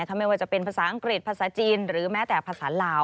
ไม่ว่าจะพูดภาษาอังกฤษจีนหรือแม้แต่ภาษาเหลา